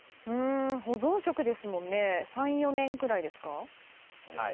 保存食ですから３４年ぐらいですか？